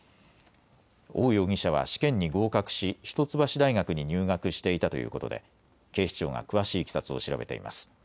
王容疑者は試験に合格し一橋大学に入学していたということで警視庁が詳しいいきさつを調べています。